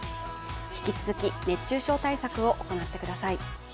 引き続き熱中症対策を行ってください。